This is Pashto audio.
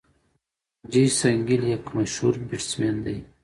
جیسن ګيل یک مشهور بيټسمېن دئ.